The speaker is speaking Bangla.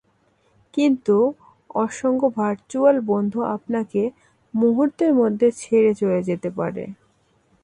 কিন্তু অসংখ্য ভারচুয়াল বন্ধু আপনাকে মুহূর্তের মধ্যে ছেড়ে চলে যেতে পারে।